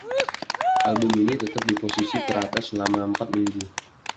Album ini tetap di posisi teratas selama empat minggu.